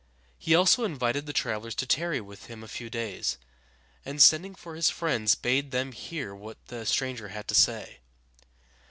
He also invited the travelers to tarry with him a few days, and sending for his friends, bade them hear what the stranger had to say.